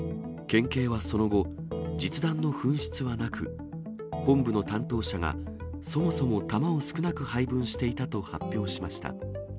県警はその後、実弾の紛失はなく、本部の担当者が、そもそも弾を少なく配分していたと発表しました。